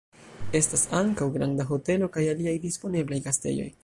Estas ankaŭ granda hotelo kaj aliaj disponeblaj gastejoj.